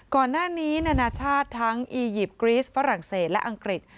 ก่อนหน้านี้นานาชาติทั้งอียิปต์กรีสฝรั่งเศสและอังกฤษ